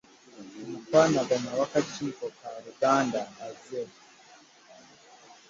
Omukwanaganya w'akakiiko ka Luganda azze.